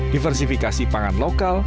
diversifikasi pangan lokal